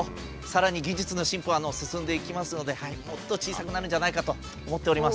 さらに技術の進歩は進んでいきますのでもっと小さくなるんじゃないかと思っております。